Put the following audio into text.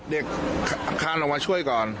เด็กค่านออกมาช่วยก่อน